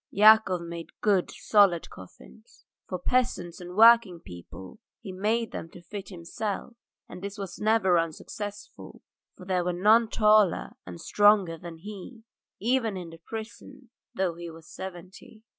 Yakov made good, solid coffins. For peasants and working people he made them to fit himself, and this was never unsuccessful, for there were none taller and stronger than he, even in the prison, though he was seventy.